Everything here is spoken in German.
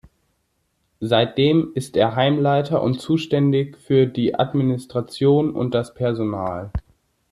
Seitdem ist er Heimleiter und zuständig für die Administration und das Personal.